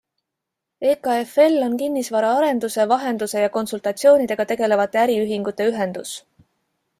EKFL on kinnisvara arenduse, vahenduse ja konsultatsioonidega tegelevate äriühingute ühendus.